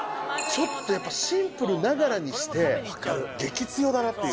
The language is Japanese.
ちょっとやっぱシンプルながらにして激強だなっていう。